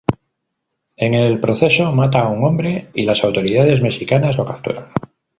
En el proceso, mata a un hombre y las autoridades mexicanas lo capturan.